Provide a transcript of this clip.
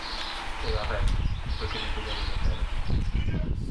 É aberto cun pequeno tellado de pedra.